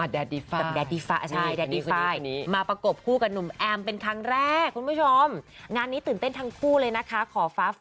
ดาดดี้ฟ้ายคนนี้คนนี้ค่ะ